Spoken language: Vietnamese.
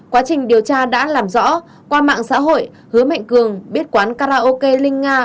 quá trình điều tra đã làm rõ qua mạng xã hội hứa mạnh cường biết quán karaoke linh nga